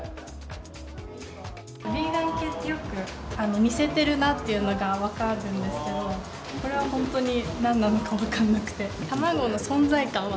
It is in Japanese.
ヴィーガン系って、よく似せてるなっていうのが分かるんですけど、これは本当になんなのか分からなくて。